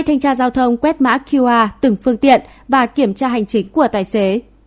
thanh tra giao thông quét mã qr từng phương tiện và kiểm tra hành chính của tài xế